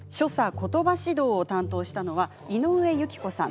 ことば指導を担当したのは井上裕季子さん。